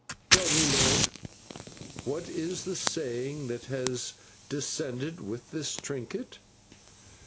Tell me, lord, what is the saying that has descended with this trinket."